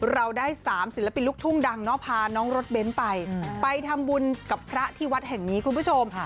เราได้๓ศิลปินลูกทุ่งดังเนาะพาน้องรถเบ้นไปไปทำบุญกับพระที่วัดแห่งนี้คุณผู้ชม